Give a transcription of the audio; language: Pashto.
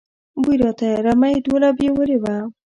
بوی راته، رمه یې ټوله بېولې وه.